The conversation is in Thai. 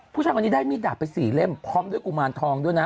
ผู้ชายคนนี้ได้มีดดาบไป๔เล่มพร้อมด้วยกุมารทองด้วยนะ